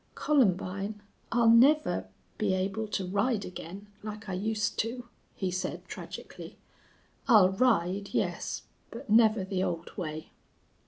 "Columbine, I'll never be able to ride again like I used to," he said, tragically. "I'll ride, yes, but never the old way."